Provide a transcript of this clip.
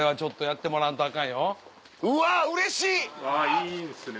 いいですね。